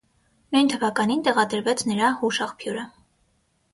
Նույն թվականին տեղադրվեց նրա հուշաղբյուրը։